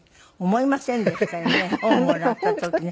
本をもらった時に。